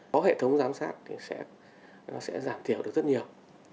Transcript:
có hệ thống giám sát thì sẽ giảm thiểu được rất nhiều